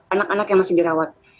anak anak yang masih dirawat